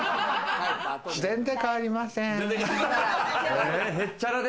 全然変わりません。